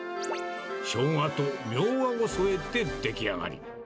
しょうがとミョウガを添えて出来上がり。